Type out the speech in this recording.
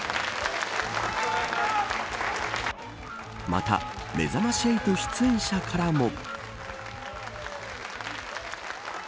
また、めざまし８の出演者からも。